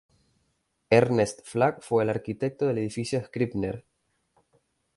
Ernest Flagg fue el arquitecto del Edificio Scribner.